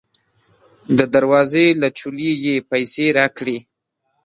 د دروازې له چولې یې پیسې راکړې.